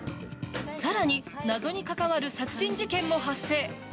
更に謎に関わる殺人事件も発生。